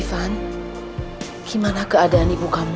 ivan gimana keadaan ibu kamu